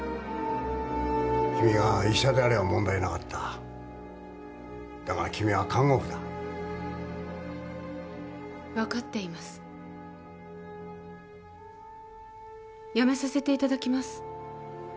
君が医者であれば問題なかっただが君は看護婦だ分かっています辞めさせていただきます